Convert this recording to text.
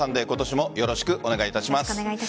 今年もよろしくお願いします。